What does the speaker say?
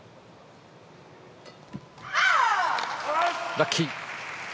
ラッキー。